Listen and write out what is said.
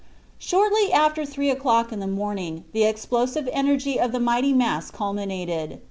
Shortly after three o'clock in the morning the explosive energy of the mighty mass culminated.